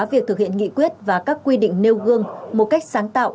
việc thực hiện nghị quyết và các quy định nêu gương một cách sáng tạo